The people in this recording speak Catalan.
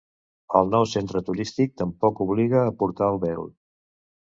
El nou centre turístic tampoc obliga a portar el vel